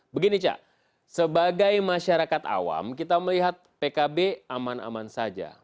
begini cak sebagai masyarakat awam kita melihat pkb aman aman saja